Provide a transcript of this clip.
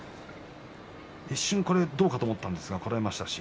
一瞬どうかと思いましたがこらえましたね。